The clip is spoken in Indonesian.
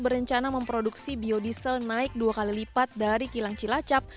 berencana memproduksi biodiesel naik dua kali lipat dari kilang cilacap